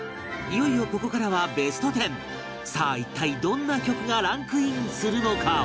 いよいよここからはベスト１０さあ、一体、どんな曲がランクインするのか？